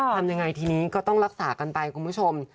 ทำยังไงทีนี้ก็ต้องรักษากันไปคุณผู้ชม